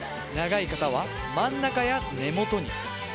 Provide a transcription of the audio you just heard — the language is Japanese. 長い方は真ん中や根元に。